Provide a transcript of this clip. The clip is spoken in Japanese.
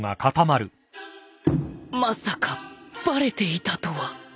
まさかバレていたとは